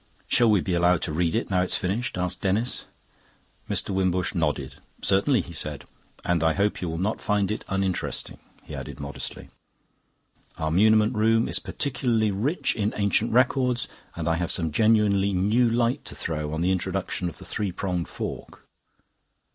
"Shall we be allowed to read it now it's finished?" asked Denis. Mr. Wimbush nodded. "Certainly," he said. "And I hope you will not find it uninteresting," he added modestly. "Our muniment room is particularly rich in ancient records, and I have some genuinely new light to throw on the introduction of the three pronged fork."